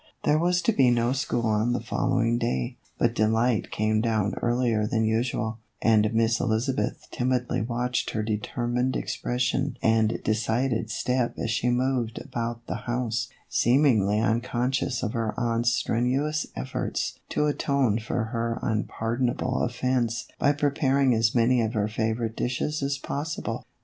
There was to be no school on the following day, but Delight came down earlier than usual, and Miss Elizabeth timidly watched her determined expres sion and decided step as she moved about the house, seemingly unconscious of her aunt's strenu ous efforts to atone for her unpardonable offense by preparing as many of her favorite dishes as pos sible.